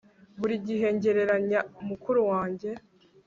Buri gihe ngereranya mukuru wanjye